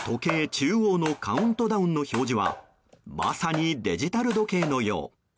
中央のカウントダウンの表示はまさにデジタル時計のよう。